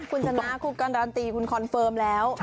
คุณชนะคุณการันตีคุณคอนเฟิร์มแล้ว